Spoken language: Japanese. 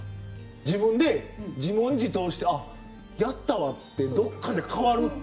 自分で自問自答して「あっやったわ」ってどっかで変わるって。